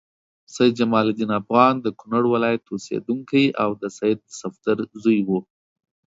سید جمال الدین افغان د کونړ ولایت اوسیدونکی او د سید صفدر زوی و.